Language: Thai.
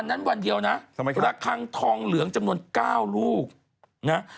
๖ณทุกซ่อนอยู่ข้างประตูฝั่งคนขับเนี่ย